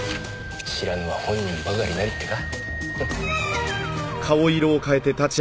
知らぬは本人ばかりなりってか。